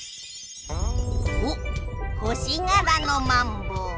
おっ星がらのマンボウ。